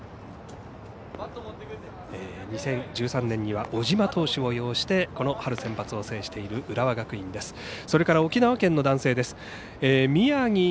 ２０１３年には小島投手を擁してこの春センバツを制している浦和学院です。